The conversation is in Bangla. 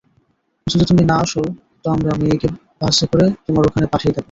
যদি তুমি না আসো, তো আমরা মেয়েকে বাসে করে তোমার ওখানে পাঠিয়ে দেব।